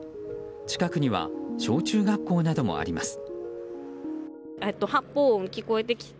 近くには小中学校などもあります。